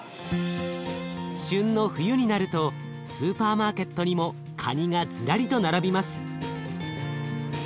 旬の冬になるとスーパーマーケットにもかにがずらりと並びます。